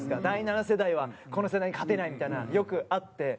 第七世代はこの世代に勝てないみたいなよくあって。